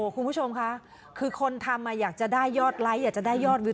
คุณผู้ชมค่ะคือคนทำอยากจะได้ยอดไลค์อยากจะได้ยอดวิท